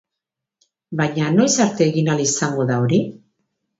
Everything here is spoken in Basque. Baina, noiz arte egin ahal izango da hori?